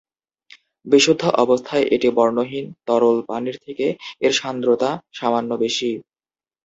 বিশুদ্ধ অবস্থায় এটি বর্ণহীন তরল, পানির থেকে এর সান্দ্রতা সামান্য বেশি।